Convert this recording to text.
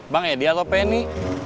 bang edi atau penny